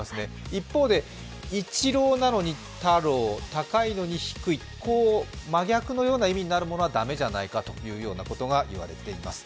一方で、一郎なのに、たろう、高いのに低い、真逆のような意味になるものは駄目じゃないかと言われています。